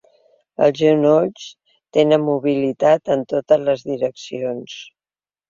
Els genolls tenen mobilitat en totes les direccions.